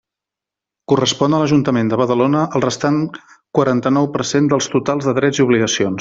Correspon a l'Ajuntament de Badalona el restant quaranta-nou per cent dels totals de drets i obligacions.